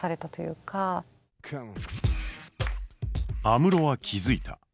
安室は気付いた。